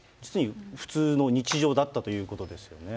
普通の日常だったということですよね。